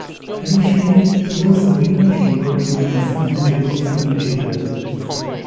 Additionally, he was very much involved in the magazine and journalism in general.